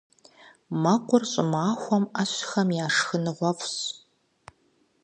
Мэкъур щӀымахуэм Ӏэщхэм я шхыныгъуэфӀщ.